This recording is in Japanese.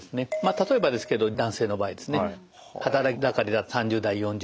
例えばですけど男性の場合ですね働き盛りだと３０代４０代。